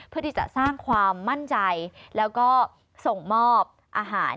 เพื่อที่จะสร้างความมั่นใจแล้วก็ส่งมอบอาหาร